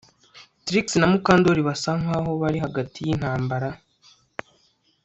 Trix na Mukandoli basa nkaho bari hagati yintambara